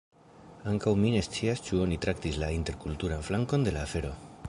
Ankaŭ mi ne scias ĉu oni traktis la interkulturan flankon de la afero.